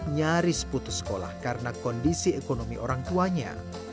nyaris putus sekolah karena kondisi ekonomi orang tuanya